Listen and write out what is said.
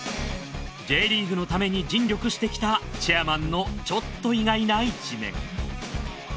Ｊリーグのために尽力してきたチェアマンのちょっと意外な一面。